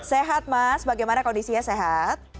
sehat mas bagaimana kondisinya sehat